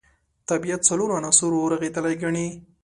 طبیعت څلورو عناصرو رغېدلی ګڼي.